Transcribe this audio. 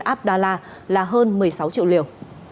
abdala là hơn một mươi sáu triệu liều